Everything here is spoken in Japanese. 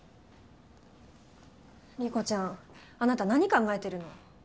理子ちゃんあなた何考えてるの？